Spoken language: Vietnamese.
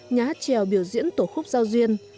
nhà hát trèo biểu diễn tổ khúc giao duyên